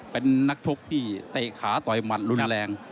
เป็นนักชกที่เตะขาต่อยหมัดรุนแรง